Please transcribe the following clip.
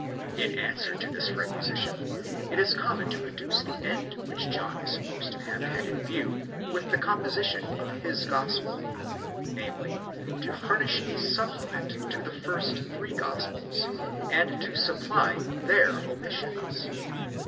In answer to this requisition, it is common to adduce the end which John is supposed to have had in view in the composition of his gospel: namely, to furnish a supplement to the first three gospels, and to supply their omissions.